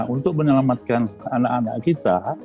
untuk menyelamatkan anak anak kita